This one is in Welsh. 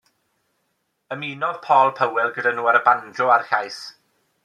Ymunodd Paul Powell gyda nhw ar y banjo a'r llais.